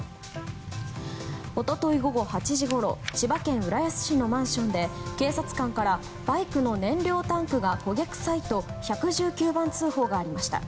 一昨日、午後８時ごろ千葉県浦安市のマンションで警察官からバイクの燃料タンクが焦げ臭いと１１９番通報がありました。